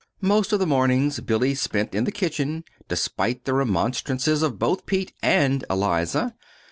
Most of the mornings Billy spent in the kitchen, despite the remonstrances of both Pete and Eliza.